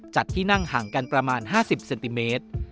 ที่นั่งห่างกันประมาณ๕๐เซนติเมตร